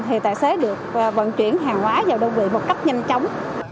thì tài xế được vận chuyển hàng hóa vào đơn vị một cách nhanh chóng